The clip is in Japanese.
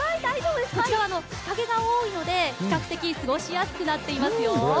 こちらは日影が多いので比較的過ごしやすくなっていますよ。